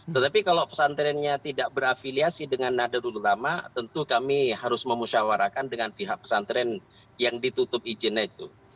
tetapi kalau pesantrennya tidak berafiliasi dengan nadadul ulama tentu kami harus memusyawarakan dengan pihak pesantren yang ditutup izinnya itu